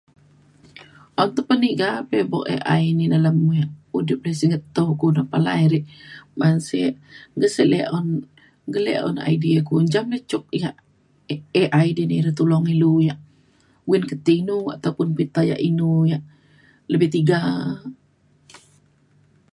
un tuk peniga pe buk AI ni dalem udip ree singget tau ku de palai re ban sek ge- se le un gele un idea ku menjam ia’ cuk yak AI dini re tulong ilu yak win keti inu ataupun pita yak inu yak lebih tiga.